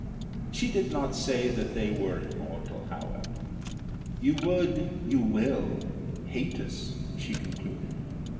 She did not say that they were immortal, however. "You would you will hate us," she concluded.